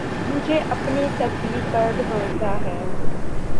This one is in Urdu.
مجھے اپنی تقدیر پر بھروسہ ہے